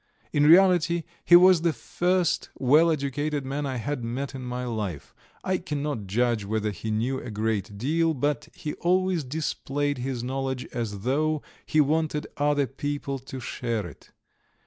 In reality he was the first well educated man I had met in my life: I cannot judge whether he knew a great deal, but he always displayed his knowledge as though he wanted other people to share it.